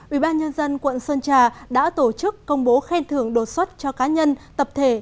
ubnd quận sơn trà đã tổ chức công bố khen thưởng đột xuất cho cá nhân tập thể